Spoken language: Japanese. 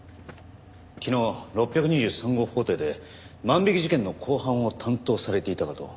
昨日６２３号法廷で万引き事件の公判を担当されていたかと。